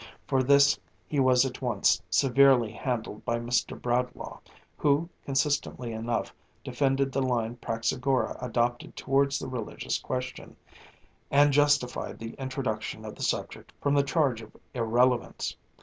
For this he was at once severely handled by Mr. Bradlaugh, who, consistently enough, defended the line Praxagora adopted towards the religious question, and justified the introduction of the subject from the charge of irrelevance.